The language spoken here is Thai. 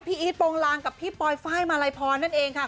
พี่อีทโปรงลางกับพี่ปอยฟ้ายมารัยพรนั่นเองค่ะ